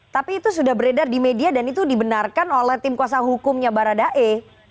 tapi itu sudah beredar di media dan itu dibenarkan oleh tim kuasa hukumnya baradae